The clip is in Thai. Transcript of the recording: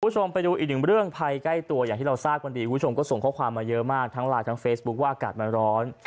คุณผู้ชมไปดูอีกหนึ่งเรื่องภัยใกล้ตัวอย่างที่เราทราบกันดีคุณผู้ชมก็ส่งข้อความมาเยอะมากทั้งไลน์ทั้งเฟซบุ๊คว่าอากาศมันร้อน